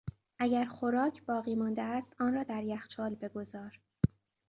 اگر خوراک باقی مانده است آن را در یخچال بگذار.